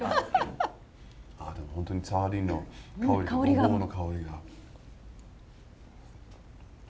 あっでも本当にサーディンの香りとごぼうの香りが。